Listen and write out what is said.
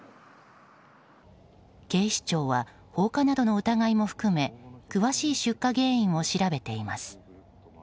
警視庁は放火などの疑いも含め詳しい出火原因を調べています。